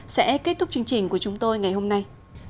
sẽ kết thúc chương trình của chúng tôi ngày hôm nay